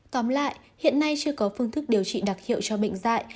tóm lại hiện nay chưa có phương thức điều trị đặc hiệu cho bệnh dạy